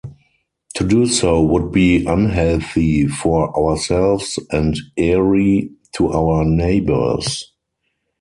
To do so would be unhealthy for ourselves and eerie to our neighbors.